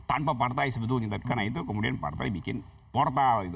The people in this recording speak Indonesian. tanpa partai sebetulnya karena itu kemudian partai bikin portal gitu